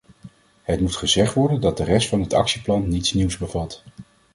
Het moet gezegd worden dat de rest van het actieplan niets nieuws bevat.